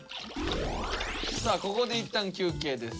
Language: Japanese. ここでいったん休憩です。